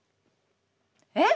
えっ！